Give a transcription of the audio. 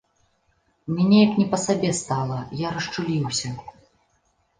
Мне неяк не па сабе стала, я расчуліўся.